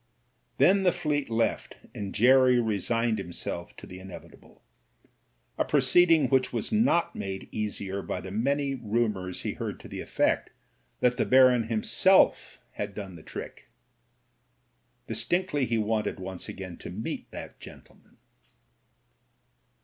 Then the Fleet left, and Jerry resigned himself to the inevitable, a proceeding which was not made easier by the many rumours he heard to the effect that the RETRIBUTION 175 Barcm himself had done the trick. Distinctly he wanted once again to meet that gentleman.